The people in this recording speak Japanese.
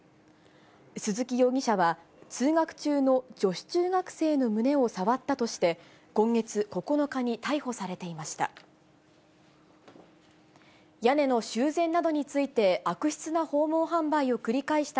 鈴木容疑者は、通学中の女子中学生の胸を触ったとして、今月９日に逮捕されていました。